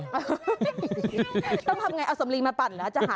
ต้องทำยังไงเอาสมรีงมาปั่นนะจะหายไหม